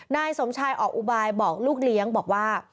นายสมชายออกอุบายบอกลูกเลี้ยงบอกว่า